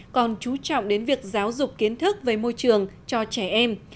còn chú trọng đến việc giáo dục kiến thức về môi trường cho trẻ em